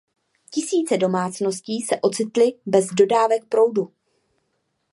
Tisíce domácností se ocitly bez dodávek proudu.